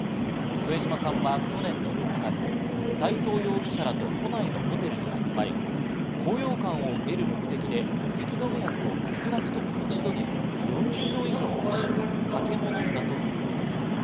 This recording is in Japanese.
添島さんは去年の６月、斎藤容疑者らと都内のホテルに集まり、高揚感を得る目的でせき止め薬を少なくとも一度に４０錠以上摂取、酒も飲んだということです。